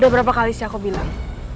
udah berapa kali sih aku bilang